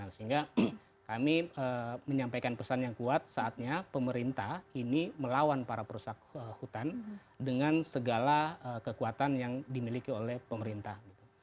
sehingga kami menyampaikan pesan yang kuat saatnya pemerintah ini melawan para perusahaan hutan dengan segala kekuatan yang dimiliki oleh pemerintah